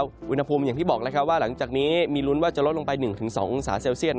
อุณหภูมิอย่างที่บอกแล้วว่าหลังจากนี้มีลุ้นว่าจะลดลงไป๑๒องศาเซลเซียต